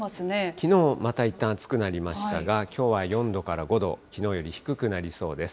きのう、またいったん暑くなりましたが、きょうは４度から５度、きのうより低くなりそうです。